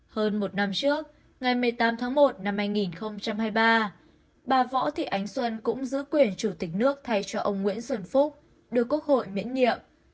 hơn một năm trước ngày một mươi tám tháng một năm hai nghìn hai mươi ba bà võ thị ánh xuân cũng giữ quyền chủ tịch nước thay cho ông nguyễn xuân phúc được quốc hội miễn nhiệm